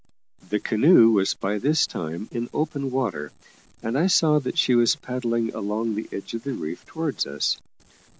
The canoe was by this time in open water, and I saw that she was paddling along the edge of the reef towards us.